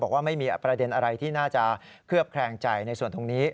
ว่าไม่มีประเด็นอะไรที่น่าจะเคลือบแคลงใจในส่วนตรงนี้